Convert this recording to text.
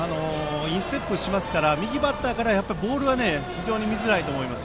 インステップしますから右バッターからボールは非常に見づらいと思います。